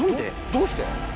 どうして？